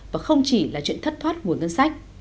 và không chỉ là chuyện thất thoát nguồn ngân sách